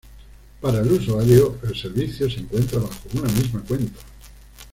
Para el usuario, el servicio se encuentra baja una misma cuenta.